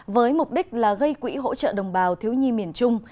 với mục đích là gây quỹ hỗ trợ đồng bào thiếu nhi miền trung